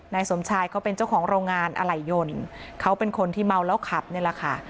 นายสมชายเขาเป็นเจ้าของโรงงานอะไหล่ยนเขาเป็นคนที่เมาแล้วขับนี่แหละค่ะ